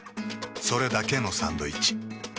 それだけのサンドイッチ。